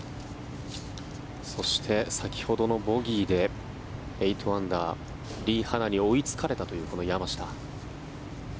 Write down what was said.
そして、先ほどのボギーで８アンダーリ・ハナに追いつかれたというこの山下。